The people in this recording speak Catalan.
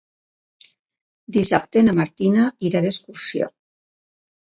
Dissabte na Martina irà d'excursió.